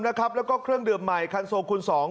แล้วก็เครื่องดื่มใหม่คันโซคูณ๒